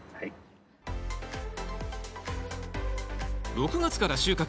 ６月から収穫。